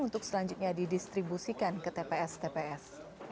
untuk selanjutnya didistribusikan ke tps tps